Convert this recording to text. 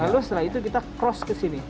lalu setelah itu kita cross ke sini